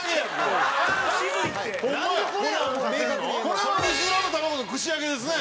これはうずらの卵の串揚げですね。